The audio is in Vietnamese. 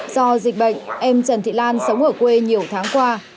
do dịch bệnh em trần thị lan sống ở quê nhiều tháng qua